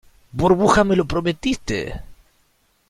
burbuja, me lo prometiste.